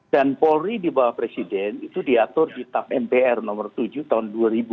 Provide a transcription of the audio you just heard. dan polri di bawah presiden itu diatur di tab mpr nomor tujuh tahun dua ribu